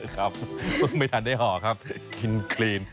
ครับเพิ่งไม่ทันได้ห่อครับกินคลีน